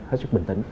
hết sức bình tĩnh